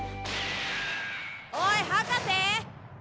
おい博士！